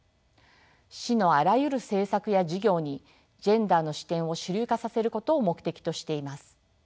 市のあらゆる政策や事業にジェンダーの視点を主流化させることを目的としています。